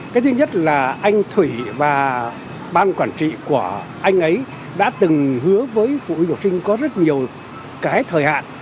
cái thứ nhất là anh thủy và ban quản trị của anh ấy đã từng hứa với phụ huynh học sinh có rất nhiều cái thời hạn